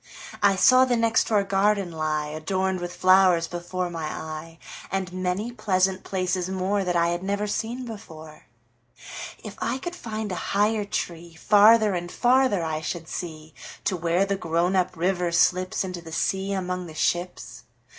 I saw the next door garden lie, Adorned with flowers, before my eye, And many pleasant places moreThat I had never seen before. If I could find a higher treeFarther and farther I should see, To where the grown up river slipsInto the sea among the ships.